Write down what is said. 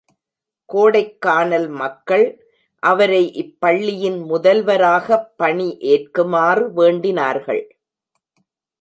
கோடைக்கானல் மக்கள் அவரை இப்பள்ளியின் முதல்வராகப் பணி ஏற்குமாறு வேண்டினார்கள்.